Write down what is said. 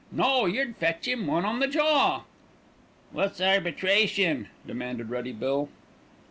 No, yer'd fetch 'im one on the jaw." "Wot's arbitration?" demanded Ruddy Bill.